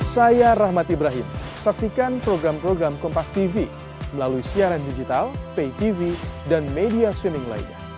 saya rahmat ibrahim saksikan program program kompastv melalui siaran digital paytv dan media streaming lainnya